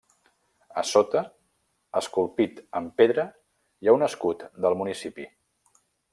A sota, esculpit amb pedra hi ha un escut del municipi.